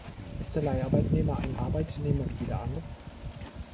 Ist der Leiharbeitnehmer ein Arbeitnehmer wie jeder andere?